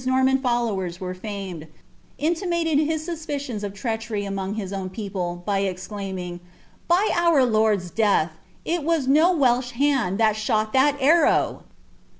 Tforman followers were Ottnet], intimated his Bii«ipirinns of Itnchnj among his own people, by exclaiming, " By our Lord's death, it wm da Welsh l^nd thai shot that arrow